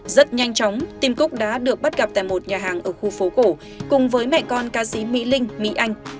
rất nhanh chóng tim cúc đã được bắt gặp tại một nhà hàng ở khu phố cổ cùng với mẹ con ca sĩ mỹ linh mỹ anh